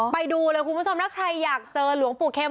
ไปดูเลยคุณผู้ชมถ้าใครอยากเจอหลวงปู่เข็ม